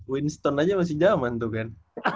windstone aja masih zaman tuh kan